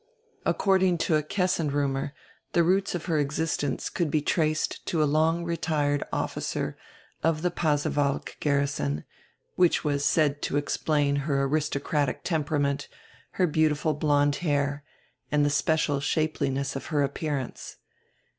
According to a Kessin rumor die roots of her existence could be traced to a long retired officer of die Pasewalk garrison, which was said to explain her aristocratic temperament, her beautiful blonde hair, and die special shapeliness of her appearance.